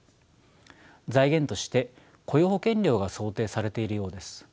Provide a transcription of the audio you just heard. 財源として雇用保険料が想定されているようです。